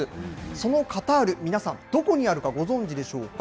そのカタール、皆さん、どこにあるか、ご存じでしょうか。